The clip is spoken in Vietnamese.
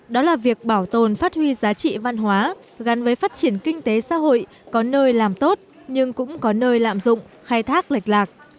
đó là việc bảo tồn phát huy giá trị văn hóa gắn với phát triển kinh tế xã hội có nơi làm tốt nhưng cũng có nơi lạm dụng khai thác lệch lạc